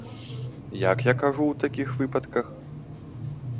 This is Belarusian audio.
Як я кажу ў такіх выпадках?